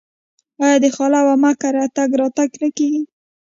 آیا د خاله او عمه کره تګ راتګ نه کیږي؟